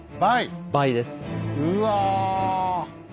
うわ！